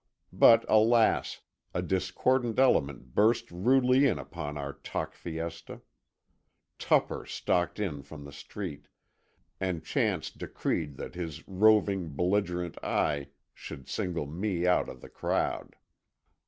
But alas! a discordant element burst rudely in upon our talk fiesta. Tupper stalked in from the street, and chance decreed that his roving, belligerent eye should single me out of the crowd.